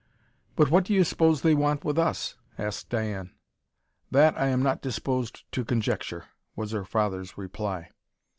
"But what do you suppose they want with us?" asked Diane. "That I am not disposed to conjecture," was her father's reply.